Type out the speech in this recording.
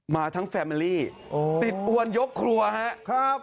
มาทั้งแฟเมอรี่ติดอวนยกครัวครับ